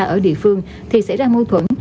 ba ở địa phương thì xảy ra mâu thuẫn